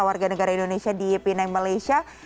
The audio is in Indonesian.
warga negara indonesia di pinang malaysia